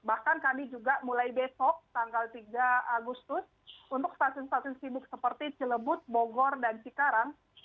bahkan kami juga mulai besok tanggal tiga agustus untuk stasiun stasiun sibuk seperti cilebut bogor dan cikarang